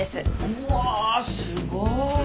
うわあすごい！